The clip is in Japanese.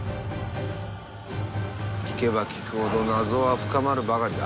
聞けば聞くほど謎は深まるばかりだ。